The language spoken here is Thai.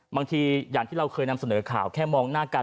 บางทีอย่างที่เราเคยนำเสนอข่าวแค่มองหน้ากัน